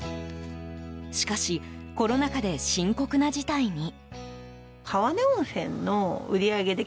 しかしコロナ禍で深刻な事態に。